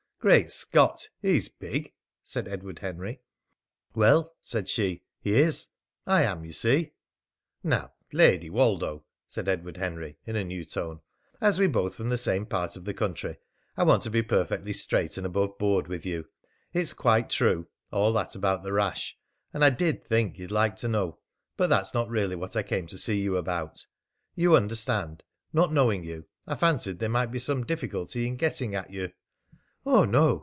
"Great Scott! He's big!" said Edward Henry. "Well," said she, "he is. I am, you see." "Now, Lady Woldo," said Edward Henry in a new tone, "as we're both from the same part of the country, I want to be perfectly straight and above board with you. It's quite true all that about the rash. And I did think you'd like to know. But that's not really what I came to see you about. You understand, not knowing you, I fancied there might be some difficulty in getting at you " "Oh, no!"